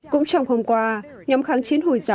cũng trong hôm qua nhóm kháng chiến hồi sớm